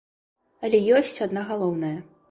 Але ёсць адна галоўная.